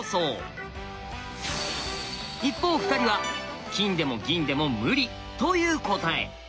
一方２人は金でも銀でも無理！という答え。